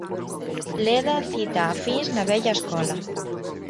Leda cita a Fins na vella escola.